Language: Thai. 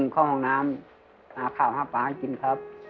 ข้าวฮะป๋วยดิจะกินครับ